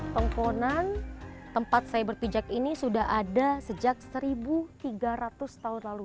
pengkonan tempat saya berpijak ini sudah ada sejak seribu tiga ratus tahun lalu